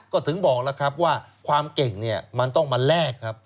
ก็ถึงบอกแล้วครับว่าความเก่งเนี่ยมันต้องมาแลกครับ